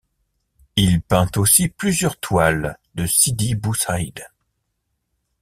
Il peint aussi plusieurs toiles de Sidi Bou Saïd.